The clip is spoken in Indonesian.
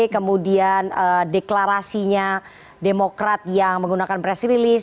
kemudian deklarasinya demokrat yang menggunakan press release